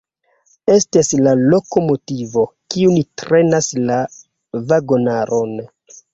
Estas la lokomotivo, kiu trenas la vagonaron.